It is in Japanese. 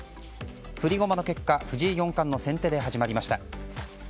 振り駒の結果藤井四冠の先手で始まりました。